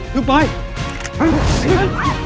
ไปไปไป